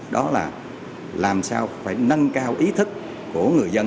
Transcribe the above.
đó là làm sao phải nâng cao ý thức của người dân